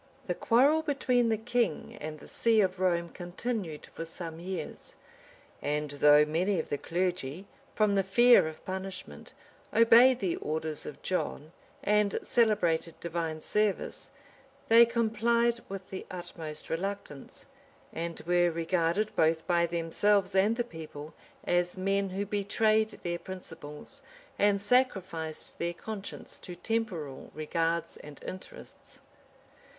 ] The quarrel between the king and the see of Rome continued for some years; and though many of the clergy, from the fear of punishment, obeyed the orders of John, and celebrated divine service, they complied with the utmost reluctance, and were regarded, both by themselves and the people, as men who betrayed their principles, and sacrificed their conscience to temporal regards and interests.